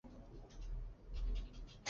圣玛窦广场相连。